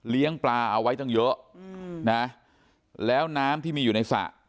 ปลาเอาไว้ตั้งเยอะนะแล้วน้ำที่มีอยู่ในสระ